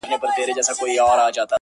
څوك به اوري كرامت د دروېشانو-